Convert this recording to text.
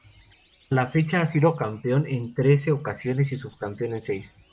A la fecha ha sido campeón en trece ocasiones y subcampeón en seis.